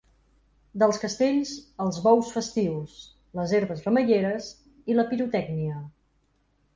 Dels castells als bous festius, les herbes remeieres i la pirotècnia.